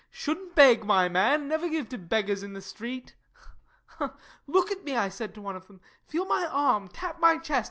"Shouldn't beg, my man! Never give to beggars in the street!" Look at me, I said to one of them. Feel my arm. Tap my chest.